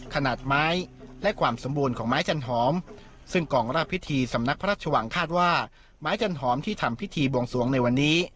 คาดว่าไม้จันหอมที่ทำพิธีบวงสวงในวันนี้